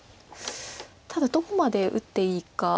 ただどこまで打っていいかは。